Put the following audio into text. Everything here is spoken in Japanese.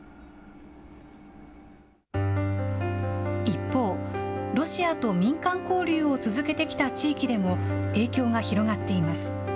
一方、ロシアと民間交流を続けてきた地域でも影響が広がっています。